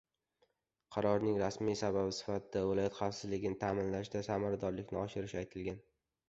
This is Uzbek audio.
Qarorning rasmiy sababi sifatida viloyat xavfsizligini ta’minlashda samaradorlikni oshirish aytilgan